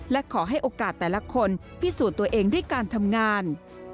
และขอให้โอกาสแต่ละคนพิสูจน์ตัวเองด้วยการทำงาน